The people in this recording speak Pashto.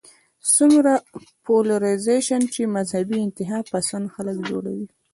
څومره پولرايزېشن چې مذهبي انتها پسند خلک جوړوي